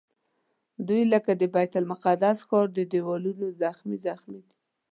دوی لکه د بیت المقدس ښار د دیوالونو زخمي زخمي دي.